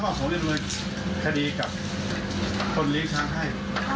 ผมรับออกบันทึกคดีการ์คดลิศาให้